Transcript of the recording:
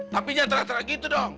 tapi jangan terang terang gitu dong